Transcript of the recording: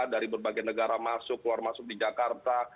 dari berbagai negara masuk keluar masuk di jakarta